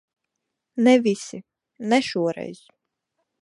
Ne visi. Ne šoreiz.